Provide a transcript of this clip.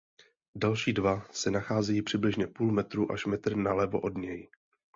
Další dva se nacházejí přibližně půl metru až metr nalevo od něj.